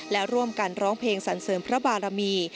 และร่วมกันร้องเพลงสรรเสริมพระบารมี